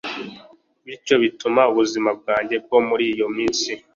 bityo bituma ubuzima bwanjye bwo muri iyo minsi